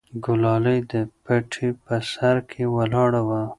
ګلالۍ د پټي په سر کې ولاړه وه.